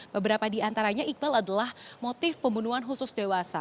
beberapa diantaranya iqbal adalah motif pembunuhan khusus dewasa